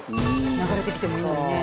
流れてきてもいいのにね。